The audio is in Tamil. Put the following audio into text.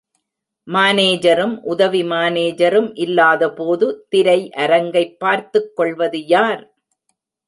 மானேஜரும், உதவி மானேஜரும் இல்லாதபோது, திரை அரங்கை பார்த்துக் கொள்வது யார்?